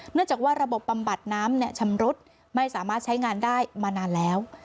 เนื่องจากว่าระบบบำบัดน้ำชำรุดไม่สามารถใช้งานได้มานานแล้ว